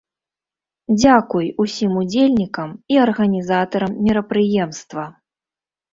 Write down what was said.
Дзякуй усім удзельнікам і арганізатарам мерапрыемства!